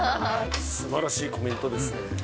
すばらしいコメントですね。